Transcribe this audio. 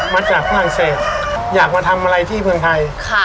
มาจากภาคเศสอยากมาทำอะไรที่เมืองไทยค่ะ